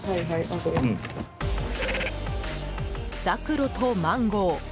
ザクロとマンゴー。